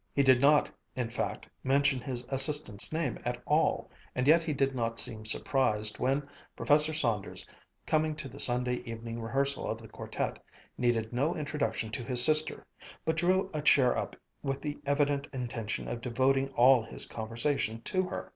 He did not, in fact, mention his assistant's name at all, and yet he did not seem surprised when Professor Saunders, coming to the Sunday evening rehearsal of the quartet, needed no introduction to his sister, but drew a chair up with the evident intention of devoting all his conversation to her.